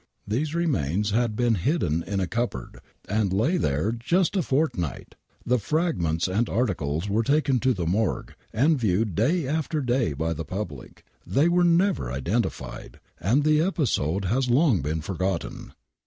These remains had been hidden in a cupboard, and lay there just a fortnight ! The fragments and articles were taken to the Morgue, and viewed day after day by the public. They were never identified, and the episode has long been forgotten